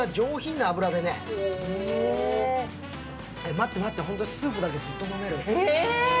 待って待って、本当にスープだけ、ずっと飲める。